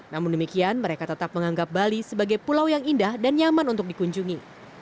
namun demikian mereka tetap menganggap bali sebagai pulau yang indah dan nyaman untuk dikunjungi